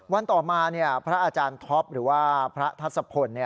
วันต่อมาพระอาจารย์ท็อปหรือว่าพระทัศพล